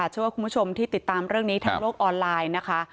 เชื่อว่าคุณผู้ชมที่ติดตามเรื่องนี้ทางโลกออนไลน์นะคะ